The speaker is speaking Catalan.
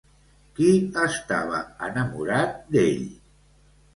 Qui estava enamorat d'ell?